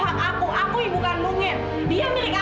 aku kangen sama dia